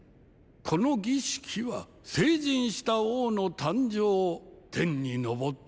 この儀式は成人した王の誕生を天に昇った